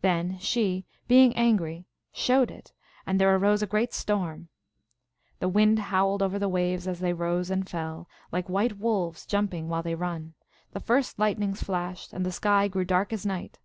Then she, being angry, showed it, and there arose a great storm. The wind howled over the waves as they rose and fell, like white wolves jumping while they run, the first lightnings flashed, and the sky grew dark as night.